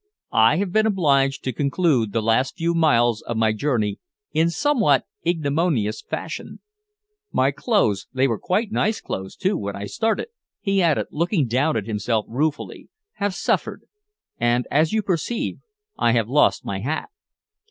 I have been obliged to conclude the last few miles of my journey in somewhat ignominious fashion. My clothes they were quite nice clothes, too, when I started," he added, looking down at himself ruefully "have suffered. And, as you perceive, I have lost my hat."